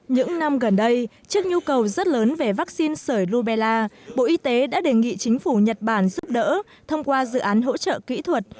những năm gần đây trước nhu cầu rất lớn về vaccine sởi rubella bộ y tế đã đề nghị chính phủ nhật bản giúp đỡ thông qua dự án hỗ trợ kỹ thuật